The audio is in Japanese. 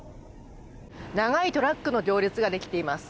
長いトラックの行列ができています。